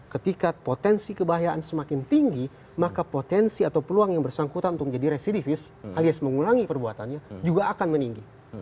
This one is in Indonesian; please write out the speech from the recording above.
ketika potensi kebahayaan semakin tinggi maka potensi atau peluang yang bersangkutan untuk menjadi residivis alias mengulangi perbuatannya juga akan meninggi